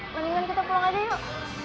mendingan kita pulang aja yuk